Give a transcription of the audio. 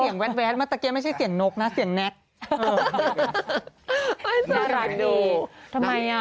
เสียงแว๊ดแม้ไม่ใช่เสียงนกนะเสียงแน็ต